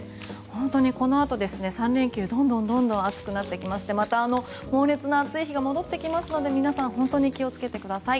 本当にこのあと３連休どんどん暑くなってきましてまた猛烈な暑い日が戻ってきますので皆さん本当に気をつけてください。